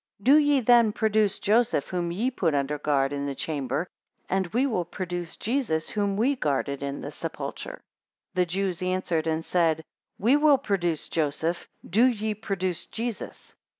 12 Do ye then produce Joseph whom ye put under guard in the chamber, and we will produce Jesus whom we guarded in the sepulchre. 13 The Jews answered and said, We will produce Joseph, do ye produce Jesus.